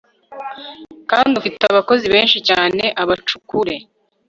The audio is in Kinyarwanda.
kandi ufite abakozi benshi cyane abacukure